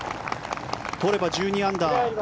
取れば１２アンダー。